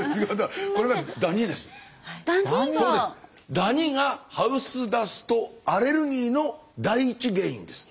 ダニがハウスダストアレルギーの第一原因です。